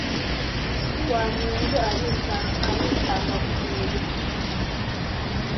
Wamwenge alisanga ku mwoyo.